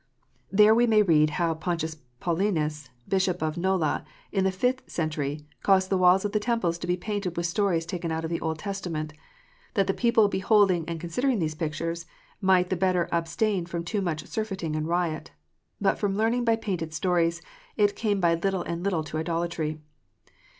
There we may read how " Pontius Paulinus, Bishop of Nola, in the fifth centwy, caused the walls of the temples to be painted with stories taken out of the Old Testament ; that the people beholding and considering these pictures, might the better abstain from too much surfeiting and riot. But from learning by painted stories, it came by little and little to idolatry."